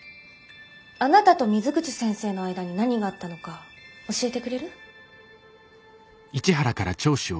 あなたと水口先生の間に何があったのか教えてくれる？